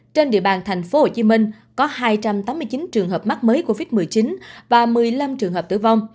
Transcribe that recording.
trên địa bàn thành phố hồ chí minh có hai trăm tám mươi chín trường hợp mắc mới covid một mươi chín và một mươi năm trường hợp tử vong